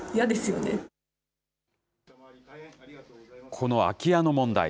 この空き家の問題。